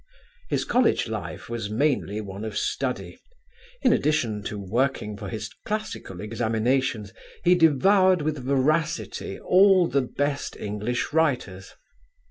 "His college life was mainly one of study; in addition to working for his classical examinations, he devoured with voracity all the best English writers.